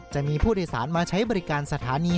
จะมีผู้โดยสารมาใช้บริการสถานี